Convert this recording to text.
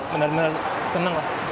benar benar senang lah